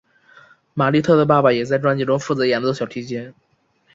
玛莉特的爸爸也在专辑中负责演奏小提琴。